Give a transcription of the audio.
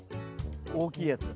大きいやつ。